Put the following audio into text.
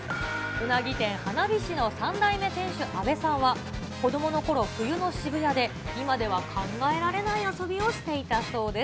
うなぎ店、花菱の３代目店主、阿部さんは、子どものころ、冬の渋谷で今では考えられない遊びをしていたそうです。